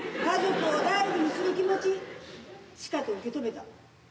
家族を大事にする気持ちしかと受け止めた。